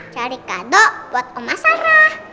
cari kado buat omah sarah